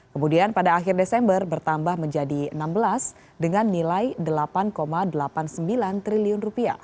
kemudian pada akhir desember bertambah menjadi rp enam belas dengan nilai rp delapan delapan puluh sembilan triliun